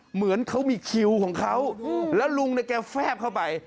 เหมือนเขามีคิวของเขาแล้วลุงเนี่ยแกแฟบเข้าไป